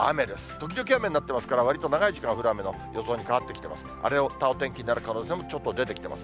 時々雨になってますから、わりと長い時間、降る雨の予想に変わってきてます。